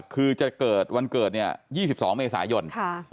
คือจะเกิดวันเกิด๒๒เมษายน